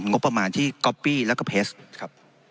งบประมาณที่กลับปีและก็เพสต์ครับ